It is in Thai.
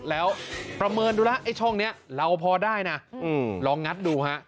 แล้วประเมินดูแล้วไอ้ช่องนี้เราพอได้นะลองงัดดูฮะ